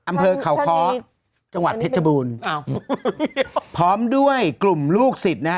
อำเภอเขาค้อจังหวัดเพชรบูรณ์อ้าวพร้อมด้วยกลุ่มลูกศิษย์นะฮะ